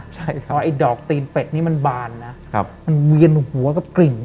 ใช่ครับไอ้ดอกตีนเป็ดนี่มันบานนะมันเวียนหัวกับกลิ่น